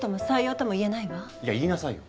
いや言いなさいよ。